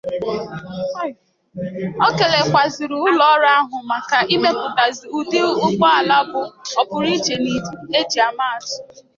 O kelekwazịrị ụlọọrụ ahụ maka imepụtasị ụdị ụgbọala bụ ọpụrụiche na ejiamaatụ